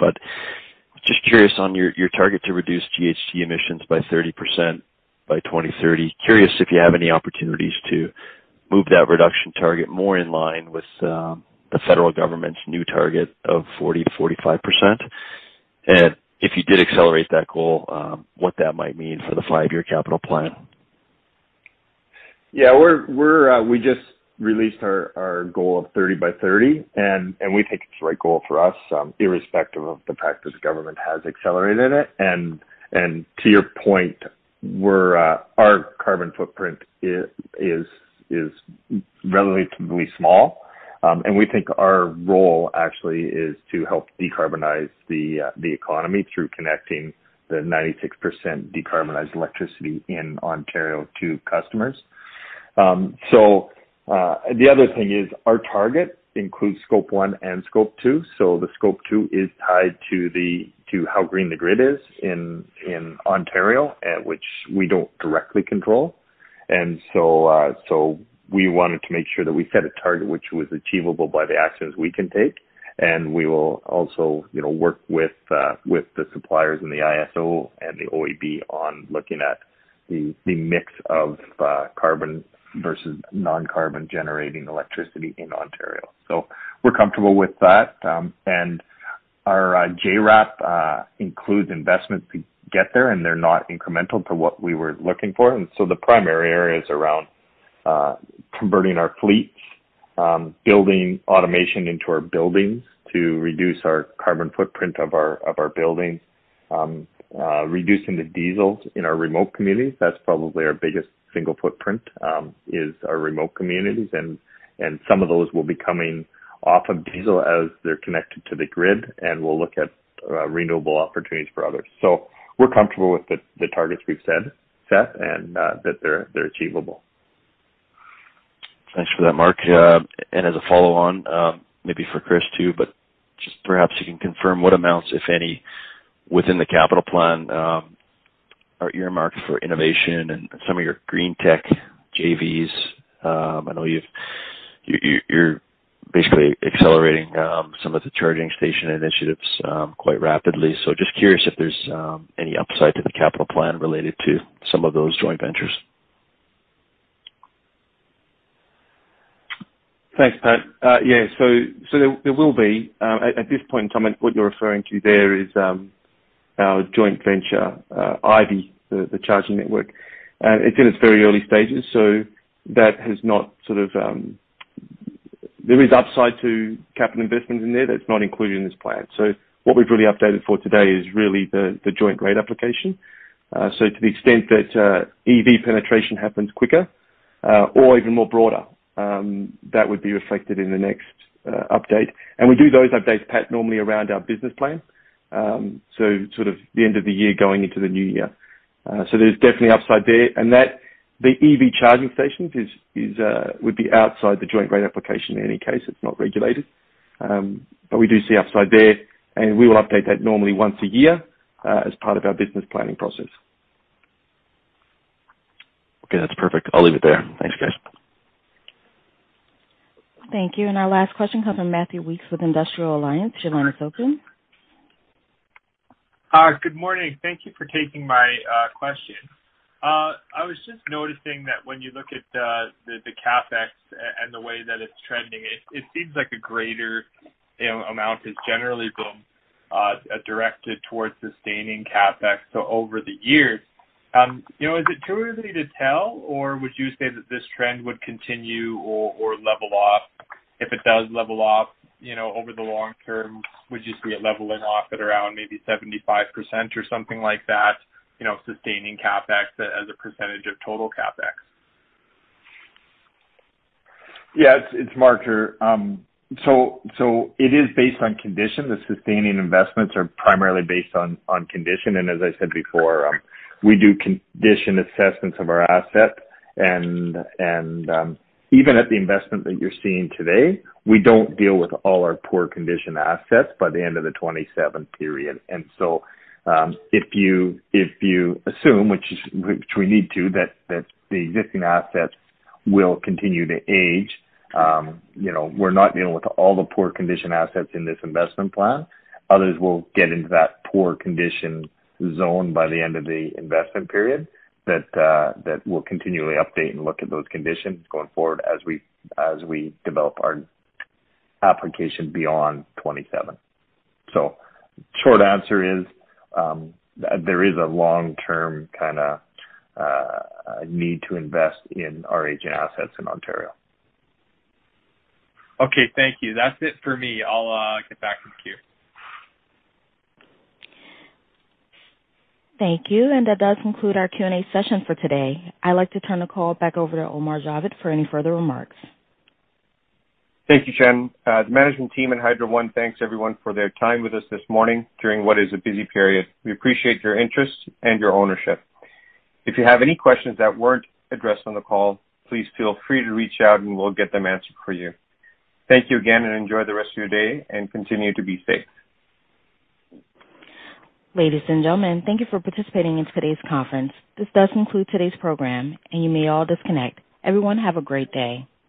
Just curious on your target to reduce GHG emissions by 30% by 2030. Curious if you have any opportunities to move that reduction target more in line with the federal government's new target of 40%-45%. If you did accelerate that goal, what that might mean for the five-year capital plan. Yeah, we just released our goal of 30 by 30, and we think it's the right goal for us, irrespective of the fact this government has accelerated it. To your point, our carbon footprint is relatively small. We think our role actually is to help decarbonize the economy through connecting the 96% decarbonized electricity in Ontario to customers. The other thing is our target includes scope one and scope two. The scope two is tied to how green the grid is in Ontario, which we don't directly control. We wanted to make sure that we set a target which was achievable by the actions we can take. We will also work with the suppliers in the IESO and the OEB on looking at the mix of carbon versus non-carbon generating electricity in Ontario. We're comfortable with that. Our JRAP includes investments to get there, and they're not incremental to what we were looking for. The primary area is around converting our fleets, building automation into our buildings to reduce our carbon footprint of our buildings, reducing the diesels in our remote communities. That's probably our biggest single footprint, is our remote communities. Some of those will be coming off of diesel as they're connected to the grid. We'll look at renewable opportunities for others. We're comfortable with the targets we've set, and that they're achievable. Thanks for that, Mark. As a follow-on, maybe for Chris too, perhaps you can confirm what amounts, if any, within the capital plan are earmarked for innovation and some of your green tech JVs. I know you're basically accelerating some of the charging station initiatives quite rapidly. Just curious if there's any upside to the capital plan related to some of those joint ventures. Thanks, Patrick. Yeah, there will be. At this point in time, what you're referring to there is our joint venture, Ivy, the charging network. It's in its very early stages, there is upside to capital investments in there that's not included in this plan. What we've really updated for today is really the Joint Rate Application. To the extent that EV penetration happens quicker or even more broader, that would be reflected in the next update. We do those updates, Patrick, normally around our business plan. Sort of the end of the year going into the new year. There's definitely upside there. The EV charging stations would be outside the Joint Rate Application in any case. It's not regulated. We do see upside there, and we will update that normally once a year as part of our business planning process. Okay. That's perfect. I'll leave it there. Thanks, guys. Thank you. Our last question comes from Matthew Weekes with Industrial Alliance. Your line is open. Hi, good morning. Thank you for taking my question. I was just noticing that when you look at the CapEx and the way that it's trending, it seems like a greater amount has generally been directed towards sustaining CapEx. Over the years, is it too early to tell or would you say that this trend would continue or level off? If it does level off, over the long term, would you see it leveling off at around maybe 75% or something like that, sustaining CapEx as a percentage of total CapEx? It's Mark here. It is based on condition. The sustaining investments are primarily based on condition, and as I said before, we do condition assessments of our asset, and even at the investment that you're seeing today, we don't deal with all our poor condition assets by the end of the 27th period. If you assume, which we need to, that the existing assets will continue to age. We're not dealing with all the poor condition assets in this investment plan. Others will get into that poor condition zone by the end of the investment period that we'll continually update and look at those conditions going forward as we develop our application beyond 2027. Short answer is, there is a long-term kind of need to invest in our aging assets in Ontario. Okay, thank you. That's it for me. I'll get back in queue. Thank you. That does conclude our Q&A session for today. I'd like to turn the call back over to Omar Javed for any further remarks. Thank you, Shannon. The management team and Hydro One thanks everyone for their time with us this morning during what is a busy period. We appreciate your interest and your ownership. If you have any questions that weren't addressed on the call, please feel free to reach out and we'll get them answered for you. Thank you again and enjoy the rest of your day and continue to be safe. Ladies and gentlemen, thank you for participating in today's conference. This does conclude today's program, and you may all disconnect. Everyone, have a great day.